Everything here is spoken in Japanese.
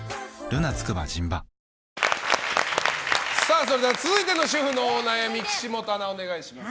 それでは続いての主婦のお悩み岸本アナ、お願いします。